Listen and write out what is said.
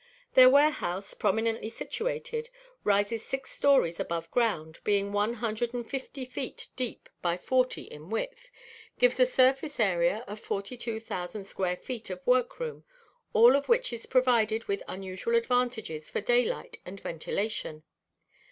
Their warehouse, prominently situated, rising six stories above ground, being one hundred and fifty feet deep by forty in width, gives a surface area of 42,000 square feet of work room, all of which is provided with unusual advantages for daylight and ventilation.